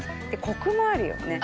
コクもあるよね。